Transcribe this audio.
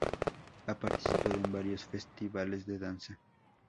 Ha participado en varios festivales de danza.